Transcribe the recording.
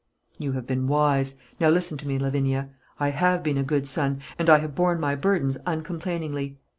"You have been wise. Now listen to me, Lavinia. I have been a good son, and I have borne my burdens uncomplainingly.